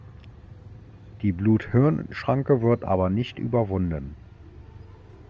Die Blut-Hirn-Schranke wird aber nicht überwunden.